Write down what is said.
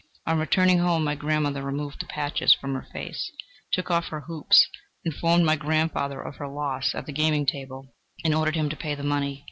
On returning home, my grandmother removed the patches from her face, took off her hoops, informed my grandfather of her loss at the gaming table, and ordered him to pay the money.